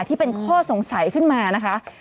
ที่เป็นข้อสงสัยขึ้นมานะคะ